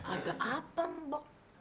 ada apa mbok